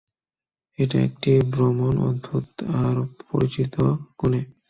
এটা একটা ভ্রমণ, অদ্ভুত আর পরিচিত কোণে।